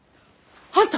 あんた！